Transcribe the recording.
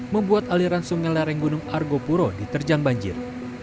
membuat aliran sungai laring gunung argo puro diterjang banjir